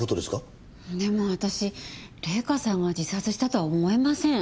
でも私玲香さんが自殺したとは思えません。